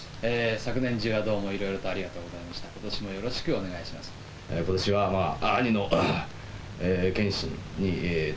昨年中はどうもいろいろとありがとうございました。